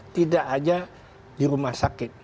tidak saja di rumah sakit